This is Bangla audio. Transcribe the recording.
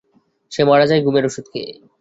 সে মারা যায় ঘুমের অষুধ খেয়ে।